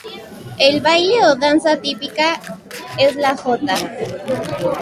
El baile o danza típica es la jota.